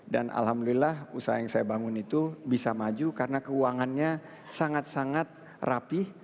dan alhamdulillah usaha yang saya bangun itu bisa maju karena keuangannya sangat sangat rapih